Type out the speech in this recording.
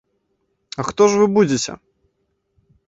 А хто ж вы будзеце?